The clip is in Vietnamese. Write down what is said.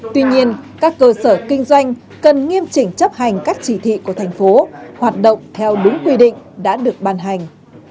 tuy nhiên các cơ sở kinh doanh cần nghiêm chỉnh chấp hành các chỉ thị của thành phố hoạt động theo đúng quy định đã được ban hành